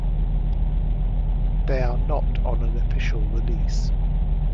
They are not on an official release.